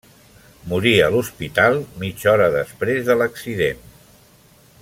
Morí a l'hospital, mitja hora després de l'accident.